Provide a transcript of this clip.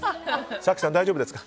早紀さん、大丈夫ですか。